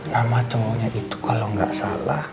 nama cowoknya itu kalau nggak salah